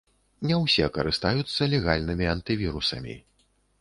Не ўсе карыстаюцца легальнымі антывірусамі.